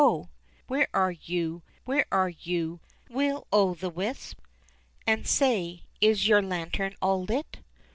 where are you, where are you, Will o' the wisp ? And say, is your lantern all lit